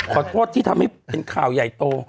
ขอโทษที่ทำให้เป็นข่าวใหญ่โต